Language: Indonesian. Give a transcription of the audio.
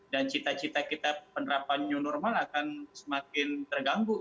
dan cita cita kita penerapkannya normal akan semakin terganggu